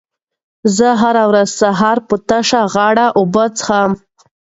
زه هره ورځ سهار په تشه غاړه اوبه څښم.